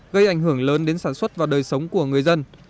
gây ảnh hưởng lớn đến sản xuất và đời sống của người dân